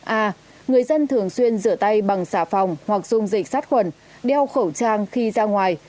a người dân thường xuyên rửa tay bằng xà phòng hoặc dung dịch sát khuẩn đeo khẩu trang khi ra ngoài